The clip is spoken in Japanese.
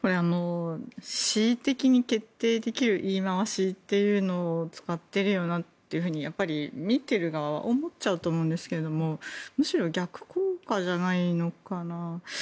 恣意的に決定できる言い回しというのを使っているよなって見ている側は思っちゃうと思うんですけどむしろ逆効果じゃないのかな。